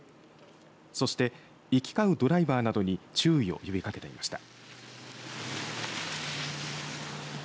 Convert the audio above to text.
そして行き交うドライバーなどに注意を呼びかけていました。